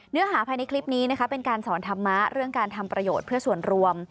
เนื้อหาภายในคลิปนี้นะคะเป็นการสอนธรรมะเรื่องการทำประโยชน์เพื่อส่วนรวม